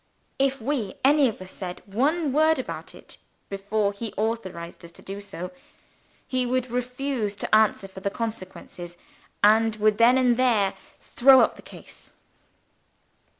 If we any of us said one word about it before he authorized us to do so, he would refuse to answer for the consequences, and would then and there throw up the case.